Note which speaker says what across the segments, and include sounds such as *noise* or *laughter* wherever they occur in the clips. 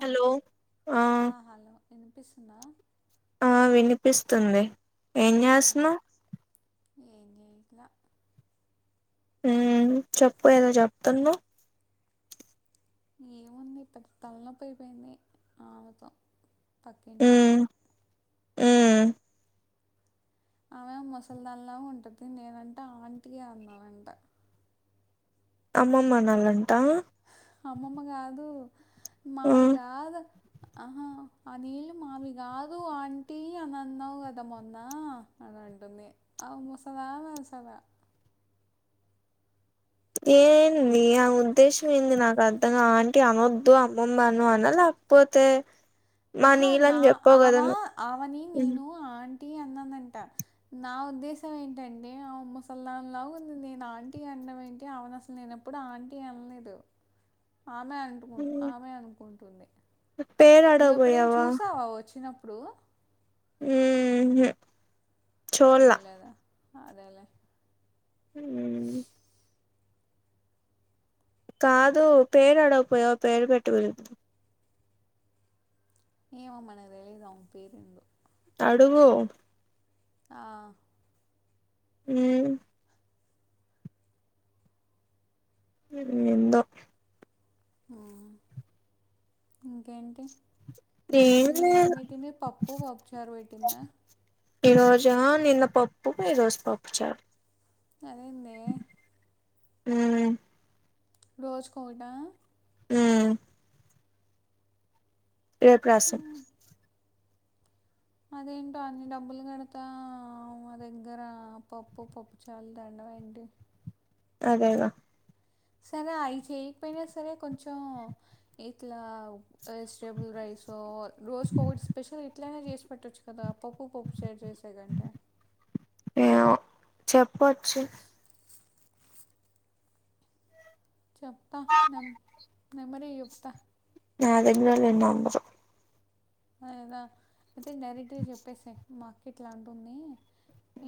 Speaker 1: Hello!
Speaker 2: విన్పిస్తుందా?
Speaker 1: ఆ విన్పిస్తుంది ఏం
Speaker 2: ఉమ్
Speaker 1: చేస్తున్నవ్
Speaker 2: ఏం చేయట్లా
Speaker 1: మ్ చెప్పు ఏదో చెప్తున్నవ్
Speaker 2: ఏముంది పెద్ద తలనొప్పైపోయింది ఆమెతో పక్కింట్ ఆమెతో
Speaker 1: మ్
Speaker 2: ఆమె ముసల్ దాన్లాగుంటది నేనంట ఆంటీ అనాలంట.
Speaker 1: అమ్మమ్మ అనాలంటా
Speaker 2: అమ్మమ్మ కాదు
Speaker 1: ఆ
Speaker 2: మావి గాదు అహ ఆ నీళ్ళు మావి గాదు ఆంటీ అన్ అన్నావు గదా మొన్నా అంటుంది ఆమె ముసలామె అసల
Speaker 1: ఎండీ ఆమె ఉద్దేశం ఏంది నాక్ అర్ధం ఆంటీ అనొద్దు అమ్మమ్మ అను అనా లే పోతే
Speaker 2: అహ నా ఆమా ఆమనీ
Speaker 1: ఉమ్,
Speaker 2: నేను ఆన్ టీ అన్నానంట. నా ఉద్దేశం ఏంటంటే ఆమె ముసల్ దాన్ లాగుంది నేన్ ఆంటీ అన్ న్నవేంటి ఆమెన్ అసల్ నేనెప్పుడు ఆంటీ అన్లేదు. ఆమె అంటుకున్
Speaker 1: ఉమ్,
Speaker 2: ఆమె అనుకుంటుంది.
Speaker 1: పేరు
Speaker 2: నువ్ ఎప్పుడైన్
Speaker 1: అడగబోయావా
Speaker 2: చూసావా వచ్చినప్పుడు
Speaker 1: ఊహు
Speaker 2: చూడలేదా అదేలే
Speaker 1: ఉ కాదు పేరు అడగకపోయా పేరు పెట్టుకులేదు
Speaker 2: ఏమో మనం తెలీదాం పేరుండో
Speaker 1: అడుగు
Speaker 2: ఆ
Speaker 1: ఉ ఎందో
Speaker 2: ఆ ఇంకేంటి ఈరోజు కూడా ఏం పెట్టింది పప్పు పప్పుచారు పెట్టిందా
Speaker 1: ఈ రోజు నిన్న పప్పు ఈ రోజు పప్పు చారు
Speaker 2: అదేన్నే
Speaker 1: ఊ
Speaker 2: రోజుకోట
Speaker 1: మ్మ్ ఏ ప్రసన్
Speaker 2: అదేంటో అన్ని డబ్బులు కడతా మా దగ్గర పప్పు పప్పు చాలు దండ
Speaker 1: అదేవా
Speaker 2: సరే అఐ చేయకపోయినా సరే కొంచం ఇట్లా స్టేబుల్ రైట్ సో రోజుకోకటి స్పెషల్ ఇట్లయినా చేసి పెట్టొచ్చు కదా పప్పు పప్పు షేర్ చేసే కంటే
Speaker 1: ఏమో చెప్పచ్చు
Speaker 2: చెప్తా నమ్ నంబరే ఇయ్యు చెప్తా
Speaker 1: నా దగ్గర లేదు నం చెప్పు
Speaker 2: దా అయితే డైరెక్ట్గా చెప్పేసేయ్ మార్కెట్ లాంటి ఉంది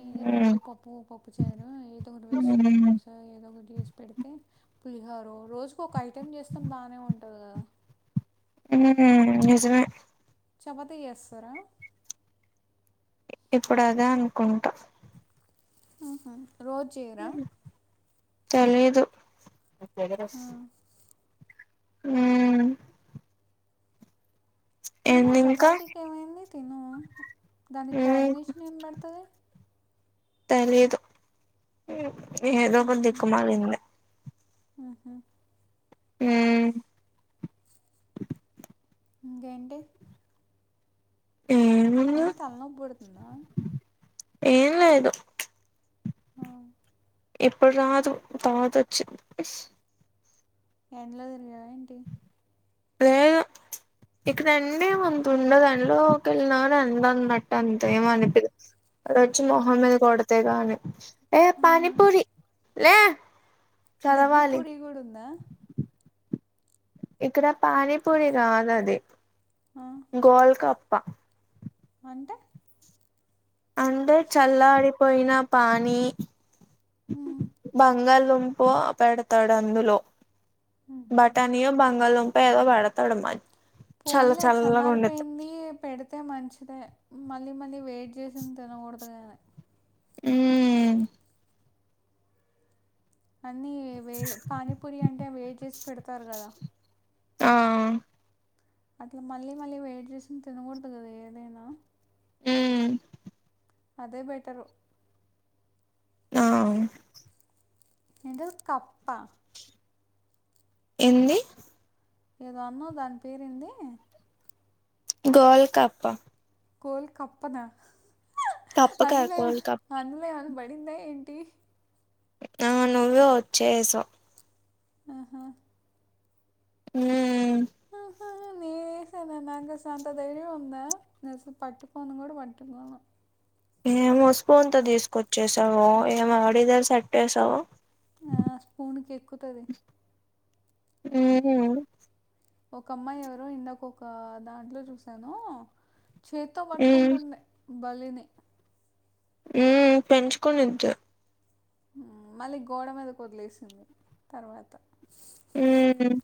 Speaker 2: ఈ రోజు
Speaker 1: మ్మ్
Speaker 2: పప్పు పప్పు చారు ఏదో ఒకటి వెజిటేబుల్
Speaker 1: మ్మ్
Speaker 2: రైస్ ఏదో ఒకటి సి పెడితే పులిహారు రోజుకు ఒక ఐటెం చేస్తాం బాగనే ఉంటది కదా
Speaker 1: ఉహు నిజమే
Speaker 2: చపతి చేస్తారా
Speaker 1: ఇప్పుడదే అనుకుంటా
Speaker 2: ఆహా రోజే చెయ్ రా
Speaker 1: తెలీదు
Speaker 2: ఆ.
Speaker 1: ఉ
Speaker 2: తిను
Speaker 1: ఇంకా
Speaker 2: చపాతీకి ఏమైంది తిను దానికి
Speaker 1: మ్మ్
Speaker 2: కాంబినేషన్ ఏం పడుతది
Speaker 1: తెలీదు ఏదో ఒక దిక్కుమలింద
Speaker 2: ఆహా
Speaker 1: ఊ
Speaker 2: ఇంకేంటే
Speaker 1: ఏముంది
Speaker 2: ఏం తలనొప్పి పడుతుందా
Speaker 1: ఏం లేదు
Speaker 2: ఆ
Speaker 1: ఇప్పుడు రాదు తరువాతచ్చి
Speaker 2: ఎండలోతిరిగావా ఏంటి
Speaker 1: అదే ఇక్కడ రండి వతు ఉండ దానిలో ఒక వెళ్ళినా రంద అనమా
Speaker 2: ఆ.
Speaker 1: అంతేమ అనిపిదు అ వచ్చి మొహం
Speaker 2: ఆహా.
Speaker 1: మీద కొడతే కాని ఏ
Speaker 2: మ్.
Speaker 1: పానీపూరి లే
Speaker 2: దహీ
Speaker 1: చదవాలి
Speaker 2: పూరి కూడా ఉందా.
Speaker 1: ఇక్కడ పానీపూరి కాదు అది
Speaker 2: ఆ.
Speaker 1: గోల్కప్ప.
Speaker 2: అంటే.
Speaker 1: అంటే చల్లాడిపోయిన పానీ
Speaker 2: మ్.
Speaker 1: బంగాళ దుంప. పో పెడతాడు అందులో బటానియె బంగాళదుం. ఏదో వాడుతాడు మరి.
Speaker 2: పోన్లే చల్లారిపోయింది పెడితే మంచిదే మ. మళ్ళీ మళ్ళీ వెయిట్ చేసింది తినకూడదుగాద..
Speaker 1: ఉమ్.
Speaker 2: అన్నీ వే వేడ్ పానీపూరి అంటే వేడి చేసి పెడతారు కదా.
Speaker 1: ఆహ్.
Speaker 2: అట్లా మళ్ళీ మళ్ళీ వేడి చేసి తినకూడదు కదా ఏదైనా.
Speaker 1: ఉమ్.
Speaker 2: అదే బెటరు.
Speaker 1: ఆహ్.
Speaker 2: మేంటల్ కప్ప.
Speaker 1: ఏంది.
Speaker 2: ఏదో అన్నవ్ దాని పేరేంది.
Speaker 1: గోల్కాప్ప.
Speaker 2: కోల్ కప్పనా
Speaker 1: కప్ప కప్ప కాదు
Speaker 2: అందులో ఏం
Speaker 1: గోల్కప్ప
Speaker 2: అందులో ఏం. మడిందా ఏంటి.
Speaker 1: ఆహ్ నువ్వే వచ్చేసావ్.
Speaker 2: ఆహ్.
Speaker 1: ఉమ్.
Speaker 2: ఆహ్ ఆహ్ ఏంది. వేసే అంత ధైర్యం ఉందా నేను అసలు పట్టుకోను కూడా పట్టుకోను.
Speaker 1: ఏమో స్పూన్ తో తీసుకొచ్చేసావు ఏమి ఆడిదరు సట్టేసావు.
Speaker 2: ఆహ్ స్పూన్ కి ఎక్కుతది.
Speaker 1: ఉమ్.
Speaker 2: ఒక అమ్మాయి ఎవరో ఇందాక ఒక దాంట్లో చూసాను. చేత్తో
Speaker 1: మ్మ్
Speaker 2: పట్టుకుంటుంది బల్లిని.
Speaker 1: ఉమ్ పెంచుకునింటే.
Speaker 2: ఉమ్ మళ్ళీ గోడ మీదకు వదిలేసింది తర్వాత.
Speaker 1: ఉమ్.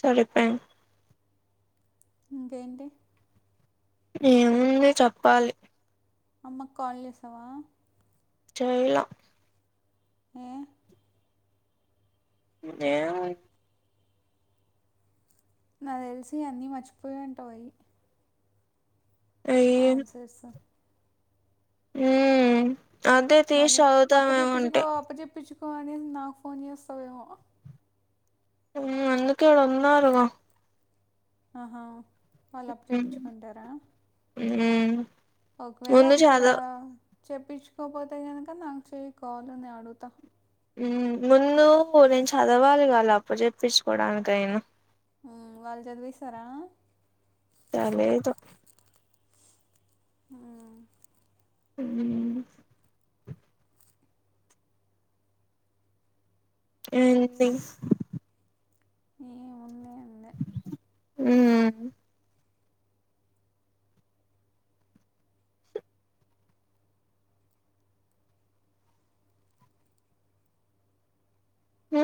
Speaker 1: సరిపోయింది.
Speaker 2: ఇంకేంటి.
Speaker 1: ఏముంది చెప్పాలి.
Speaker 2: అమ్మ కు కాల్ చేశావా.
Speaker 1: చేయాలే.
Speaker 2: ఏ.
Speaker 1: ఏముంది.
Speaker 2: నాకు తెలిసి అన్నీ మర్చిపోయి ఉంటాయే. ఆన్సర్స్.
Speaker 1: ఉమ్ అదే తీసి చదువుదాం ఏమంటే.
Speaker 2: ఫోన్ చేసి నాకు ఫోన్ చేస్తావేమో.
Speaker 1: అందుకే అడా అన్నారుగా
Speaker 2: ఆహా వాళ్ళప్పు చేపించుకుంటారా
Speaker 1: ఉ
Speaker 2: ఒకవేళ అక్కడ చెప్పించుకోపోతే కనుక నాకు చెయకోవాల నే అడుగుతా
Speaker 1: ముందు నేను చదవాలి కదా అప్పు చెప్పించుకోడానికైనా
Speaker 2: ఉ వాళ్ళు చదివేశారా
Speaker 1: తెలీదు
Speaker 2: ఆ
Speaker 1: హ ఏంటి
Speaker 2: ఏముంది అందే
Speaker 1: ఉ ఉ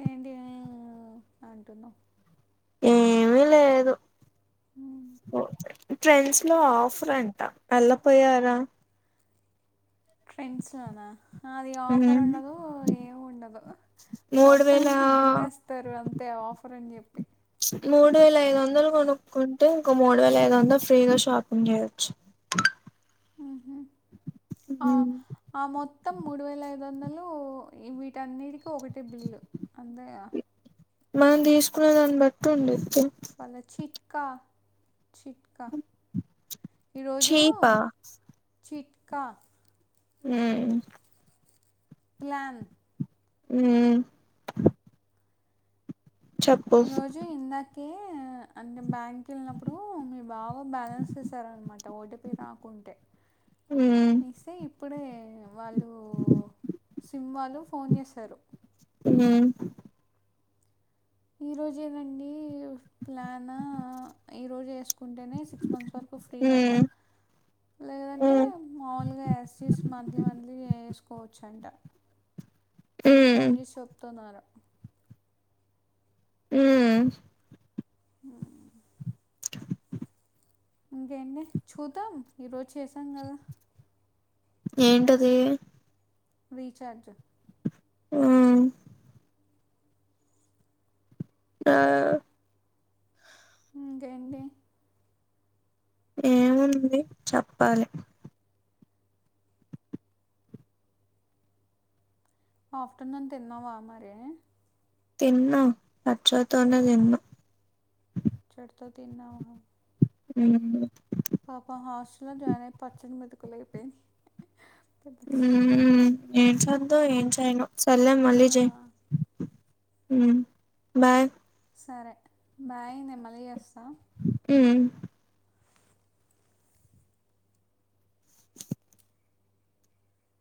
Speaker 2: ఏంటి ఉ ఉ అంటున్నావ్
Speaker 1: ఏమీలేదు ట్రెండ్స్ లో ఆఫర్ అంటా వెళ్ళపోయారా
Speaker 2: ట్రెండ్స్లోనా అది ఆఫర్
Speaker 1: ఉమ్
Speaker 2: ఉండదు ఏమ్ ఉండదు
Speaker 1: మూడు వేల
Speaker 2: మొత్తానికి బిల్ వేస్తారు అంతే ఆఫర్ అని చెప్పి
Speaker 1: మూడు వేల ఐదు వందలు కొనుక్కుంటే ఇంకా మూడు వేల ఐదు వందలు ఫ్రీగా షాపింగ్ చేయచ్చు
Speaker 2: ఆ ఆ మొత్తం మూడు వేల ఐదు తదొందలు వీటన్నిటికీ ఒకటి బిల్లు అంతే అంతేగా
Speaker 1: మనం తీసుకునే దాన్ని బట్టి ఉండదీ
Speaker 2: మన చిట్కా చిట్కా ఈరోజు
Speaker 1: చీపా
Speaker 2: చిట్కా
Speaker 1: ఉ
Speaker 2: ప్లన్
Speaker 1: ఉ
Speaker 2: ఈ రోజు ఇందాకే అంటే బ్యాంక్ వెళ్ళినప్పుడు మీ బావా బ్యాలెన్స్ చేసారనమాట ఓతపి రాకుంటే
Speaker 1: ఉమ్
Speaker 2: ఏసే ఇప్పుడే సిం వాళ్ళు ఫోన్ చేశారు
Speaker 1: ఉ
Speaker 2: ఈరోజేనండి ప్లాన్ ఈరోజు వసుకుంటేనే సిక్స్ మంత్స్ వరకు ఫ్రీ అంట
Speaker 1: ఉమ్
Speaker 2: లేదంటే
Speaker 1: ఉమ్
Speaker 2: మామూలుగా ఎస్సీస్ మంత్లీ మంత్లీ ఎంచి కోచ్ అంట ఆది ఫోన్
Speaker 1: ఉమ్
Speaker 2: చేసి చెప్తున్నారు
Speaker 1: ఉ
Speaker 2: ఆ ఇంకేంటి చూద్దాం ఈరోజు చేసాం కదా
Speaker 1: ఏంటది
Speaker 2: రీచార్జ
Speaker 1: ఆ ఆ
Speaker 2: ఇంకేంటి
Speaker 1: ఏముంది చెప్పాలి
Speaker 2: ఆఫ్టర్నూన్ తిన్నావా మరి
Speaker 1: తిన్న అచ్చుడుతోనే తిన్న
Speaker 2: చ్చడ్తో తిన్నావా
Speaker 1: *unintelligible*
Speaker 2: పాప హాస్టల్ లో జాయిన్ అయి పచ్చని మెతుకులు అయిపెయి
Speaker 1: ఉం ఏం చేద్దు ఏం చేయన్ సల్లన్ మళ్లీ
Speaker 2: ఆ,
Speaker 1: చెయ్ ఉమ్ బాయ్
Speaker 2: సరే బాయ్ నేన్ మళ్ళీ చేస్తా
Speaker 1: ఉం